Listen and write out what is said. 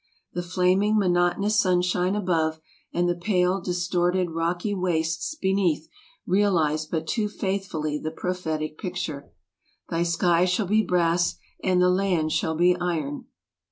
The flaming, monotonous sunhine above, and the pale, dis torted, rocky wastes beneath realize but too faithfully the prophetic picture, '' Thy sky shall be brass and thy land ASIA 255 shall be iron."